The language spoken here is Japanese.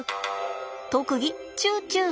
特技チュウチュウ。